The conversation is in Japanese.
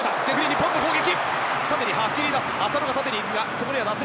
日本の攻撃。